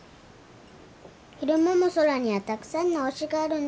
昼間も空にはたくさんの星があるんだ。